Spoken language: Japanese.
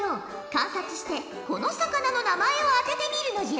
観察してこの魚の名前を当ててみるのじゃ。